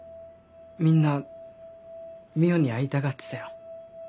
みんな澪に会いたがってたよ。